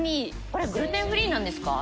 これグルテンフリーなんですか？